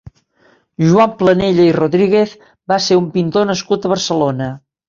Joan Planella i Rodríguez va ser un pintor nascut a Barcelona.